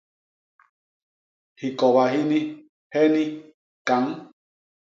Hikoba hini, heni, kañ.